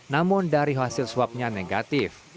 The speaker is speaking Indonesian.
namun dari hasil swabnya negatif